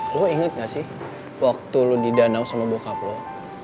lo inget gak sih waktu lo di danau sama bokap lo